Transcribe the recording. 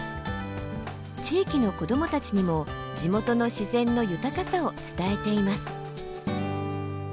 地域の子どもたちにも地元の自然の豊かさを伝えています。